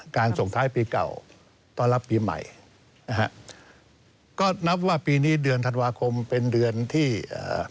ส่งท้ายปีเก่าต้อนรับปีใหม่นะฮะก็นับว่าปีนี้เดือนธันวาคมเป็นเดือนที่เอ่อ